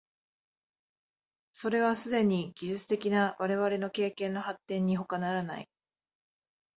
それはすでに技術的な我々の経験の発展にほかならない。